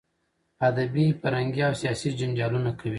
ادبي، فرهنګي او سیاسي جنجالونه کوي.